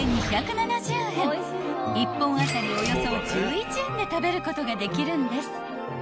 ［１本当たりおよそ１１円で食べることができるんです］